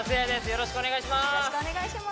よろしくお願いします